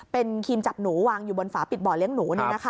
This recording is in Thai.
เป็นครีมจับหนูวางอยู่บนฝาปิดบ่อเลี้ยงหนู